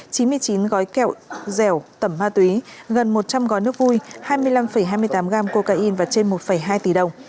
chín mươi chín gói kẹo dẻo tẩm ma túy gần một trăm linh gói nước vui hai mươi năm hai mươi tám gram cocaine và trên một hai tỷ đồng